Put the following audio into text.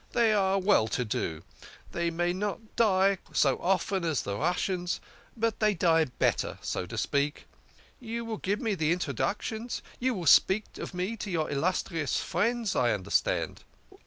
They are all well to do. They may not die so often as the Russians, but they die better, so to speak. You will give me introductions, you will speak of me to your illustrious friends, I understand."